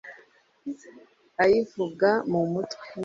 ayivuga mu mutwe